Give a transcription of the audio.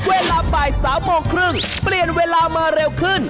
เวลา๓๓๐นเปลี่ยนเวลามาเร็วขึ้น